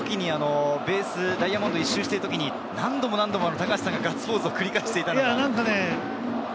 ダイヤモンドを１周しているときに何度も何度も高橋さんがガッツポーズを繰り返していました。